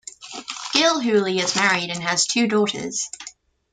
Gilhooly is married and has two daughters.